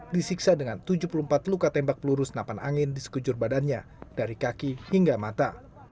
disiksa dengan tujuh puluh empat luka tembak peluru senapan angin di sekujur badannya dari kaki hingga mata